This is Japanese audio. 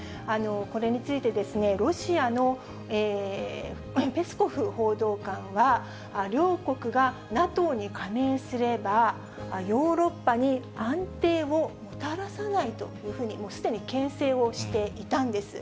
これについてですね、ロシアのペスコフ報道官は、両国がＮＡＴＯに加盟すれば、ヨーロッパに安定をもたらさないと、もうすでにけん制をしていたんです。